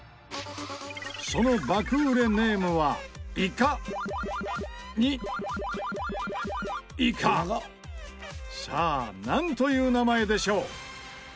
その爆売れネームはさあなんという名前でしょう？